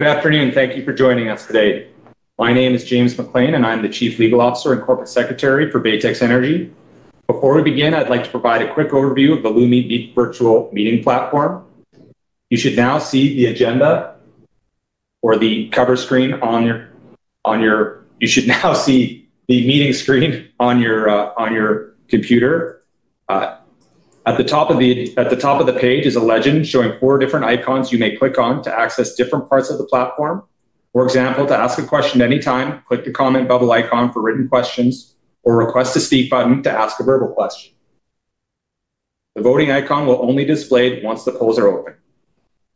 Good afternoon. Thank you for joining us today. My name is James MacLean, and I'm the Chief Legal Officer and Corporate Secretary for Baytex Energy. Before we begin, I'd like to provide a quick overview of the Lumi Virtual Meeting Platform. You should now see the agenda or the cover screen on your—you should now see the meeting screen on your computer. At the top of the page is a legend showing four different icons you may click on to access different parts of the platform. For example, to ask a question at any time, click the comment bubble icon for written questions, or request a speak button to ask a verbal question. The voting icon will only be displayed once the polls are open.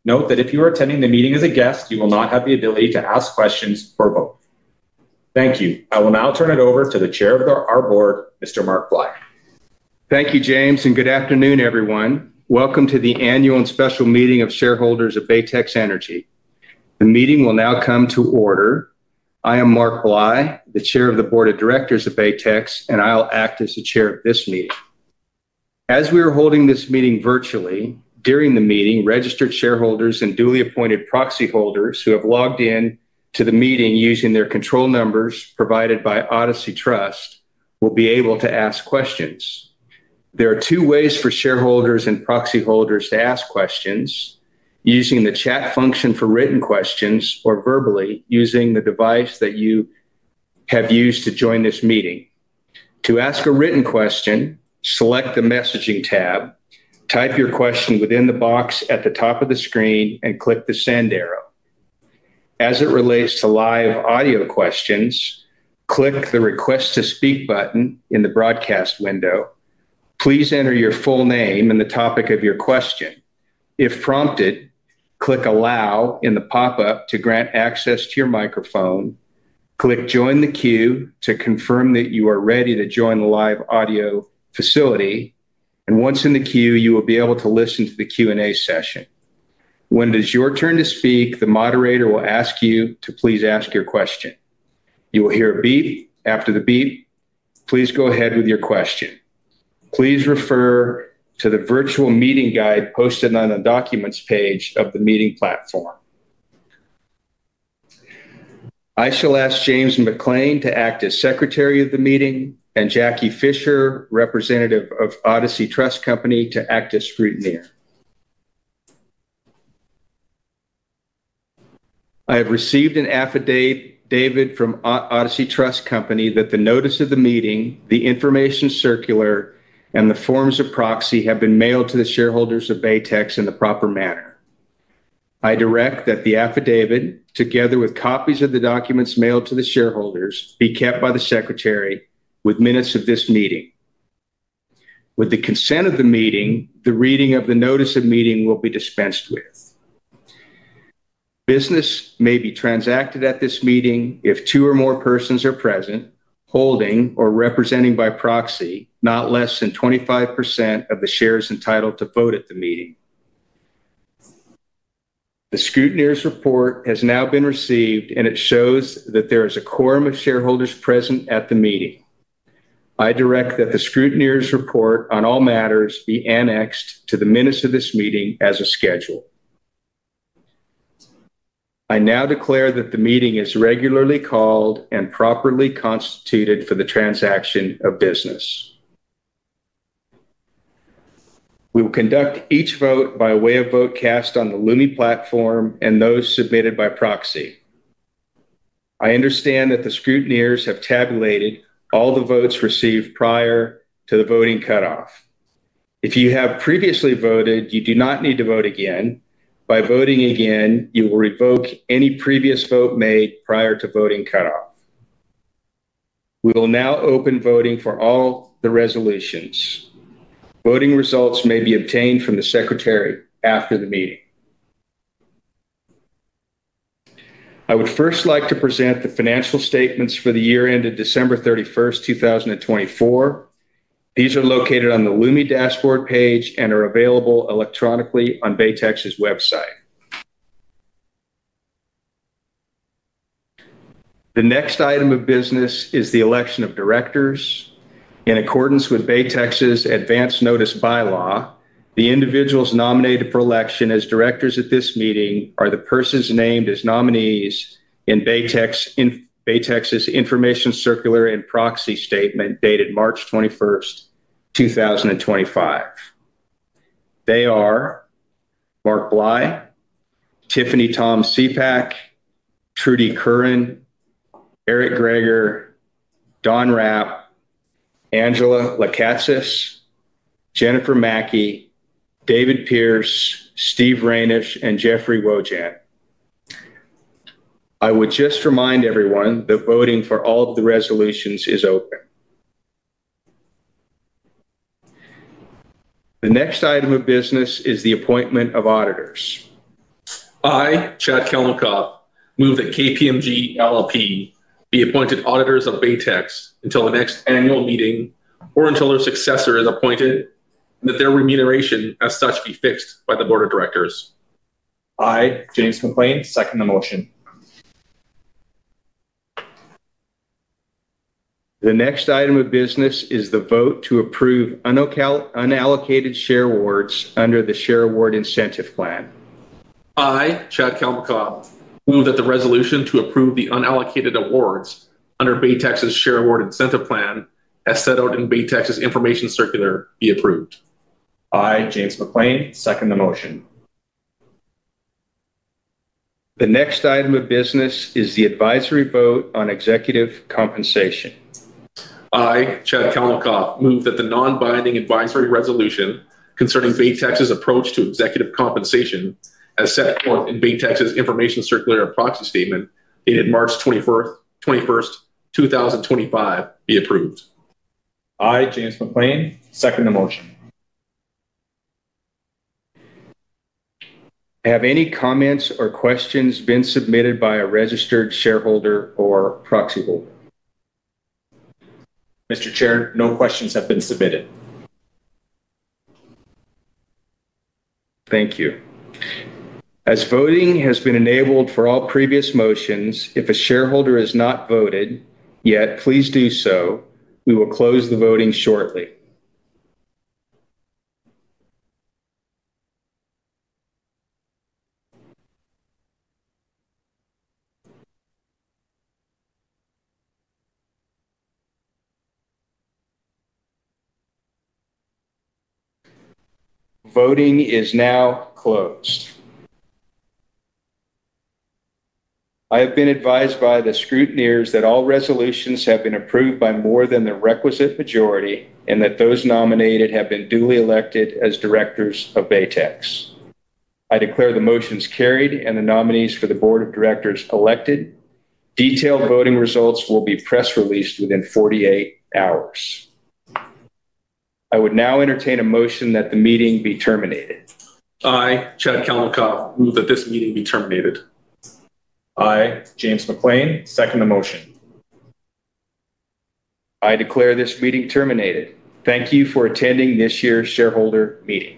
Note that if you are attending the meeting as a guest, you will not have the ability to ask questions or vote. Thank you. I will now turn it over to the Chair of our Board, Mr. Mark Bly. Thank you, James, and good afternoon, everyone. Welcome to the annual and special meeting of shareholders of Baytex Energy. The meeting will now come to order. I am Mark Bly, the Chair of the Board of Directors of Baytex, and I'll act as the Chair of this meeting. As we are holding this meeting virtually, during the meeting, registered shareholders and duly appointed proxy holders who have logged in to the meeting using their control numbers provided by Odyssey Trust will be able to ask questions. There are two ways for shareholders and proxy holders to ask questions: using the chat function for written questions, or verbally using the device that you have used to join this meeting. To ask a written question, select the messaging tab, type your question within the box at the top of the screen, and click the send arrow. As it relates to live audio questions, click the request to speak button in the broadcast window. Please enter your full name and the topic of your question. If prompted, click allow in the pop-up to grant access to your microphone. Click join the queue to confirm that you are ready to join the live audio facility. Once in the queue, you will be able to listen to the Q&A session. When it is your turn to speak, the moderator will ask you to please ask your question. You will hear a beep. After the beep, please go ahead with your question. Please refer to the virtual meeting guide posted on the documents page of the meeting platform. I shall ask James MacLean to act as Secretary of the Meeting, and Jackie Fisher, Representative of Odyssey Trust Company, to act as Scrutineer. I have received an affidavit from Odyssey Trust Company that the notice of the meeting, the information circular, and the forms of proxy have been mailed to the shareholders of Baytex in the proper manner. I direct that the affidavit, together with copies of the documents mailed to the shareholders, be kept by the Secretary with minutes of this meeting. With the consent of the meeting, the reading of the notice of meeting will be dispensed with. Business may be transacted at this meeting if two or more persons are present, holding, or representing by proxy, not less than 25% of the shares entitled to vote at the meeting. The Scrutineer's report has now been received, and it shows that there is a quorum of shareholders present at the meeting. I direct that the Scrutineer's report on all matters be annexed to the minutes of this meeting as scheduled. I now declare that the meeting is regularly called and properly constituted for the transaction of business. We will conduct each vote by way of vote cast on the Lumi platform and those submitted by proxy. I understand that the scrutineers have tabulated all the votes received prior to the voting cutoff. If you have previously voted, you do not need to vote again. By voting again, you will revoke any previous vote made prior to voting cutoff. We will now open voting for all the resolutions. Voting results may be obtained from the Secretary after the meeting. I would first like to present the financial statements for the year ended December 31, 2024. These are located on the Lumi dashboard page and are available electronically on Baytex's website. The next item of business is the election of directors. In accordance with Baytex's advance notice bylaw, the individuals nominated for election as directors at this meeting are the persons named as nominees in Baytex's information circular and proxy statement dated March 21, 2025. They are Mark Bly, Tiffany T.J. Cepak, Trudy Curran, Eric Greager, Don Hrap, Angela Lekatsas, Jennifer Maki, David Pearce, Steve Reynish, and Jeffrey Wojahn. I would just remind everyone that voting for all of the resolutions is open. The next item of business is the appointment of auditors. I, Chad Kalmakoff, move that KPMG LLP be appointed auditors of Baytex until the next annual meeting or until their successor is appointed, and that their remuneration as such be fixed by the Board of Directors. I, James MacLean, second the motion. The next item of business is the vote to approve unallocated share awards under the share award incentive plan. I, Chad Kalmakoff, move that the resolution to approve the unallocated awards under Baytex's share award incentive plan as set out in Baytex's information circular be approved. I, James MacLean, second the motion. The next item of business is the advisory vote on executive compensation. I, Chad Kalmakoff, move that the non-binding advisory resolution concerning Baytex's approach to executive compensation as set forth in Baytex's information circular and proxy statement dated March 21, 2025 be approved. I, James MacLean, second the motion. Have any comments or questions been submitted by a registered shareholder or proxy holder? Mr. Chair, no questions have been submitted. Thank you. As voting has been enabled for all previous motions, if a shareholder has not voted yet, please do so. We will close the voting shortly. Voting is now closed. I have been advised by the scrutineers that all resolutions have been approved by more than the requisite majority and that those nominated have been duly elected as directors of Baytex. I declare the motions carried and the nominees for the Board of Directors elected. Detailed voting results will be press released within 48 hours. I would now entertain a motion that the meeting be terminated. I, Chad Kalmakoff, move that this meeting be terminated. I, James MacLean, second the motion. I declare this meeting terminated. Thank you for attending this year's shareholder meeting.